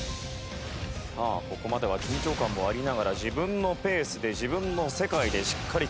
さあここまでは緊張感もありながら自分のペースで自分の世界でしっかり結果を出してきています。